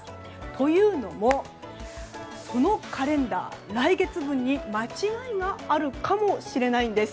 というのもそのカレンダー、来月分に間違いがあるかもしれないんです。